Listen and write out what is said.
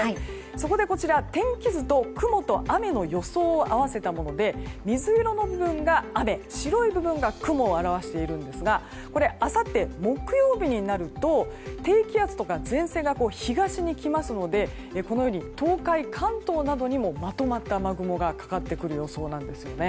そこでこちら、天気図と雲と雨の予想を合わせたもので水色の部分が雨白い部分が雲を表していますがあさって木曜日になると低気圧とか前線が東に来ますのでこのように東海、関東などにもまとまった雨雲がかかってくる予想なんですよね。